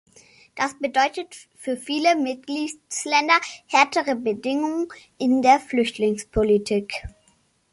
Das bedeutet für viele Mitgliedsländer härtere Bedingungen in der Flüchtlingspolitik.